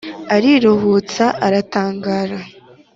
ariruhutsa aratangara,